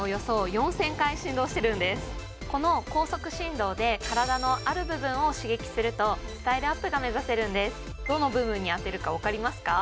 この高速振動で体のある部分を刺激するとスタイルアップが目指せるんですどの部分にあてるか分かりますか？